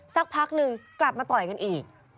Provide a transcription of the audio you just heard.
สักพักนึงกลับมาต่อยกันอีก